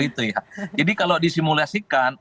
itu ya jadi kalau disimulasikan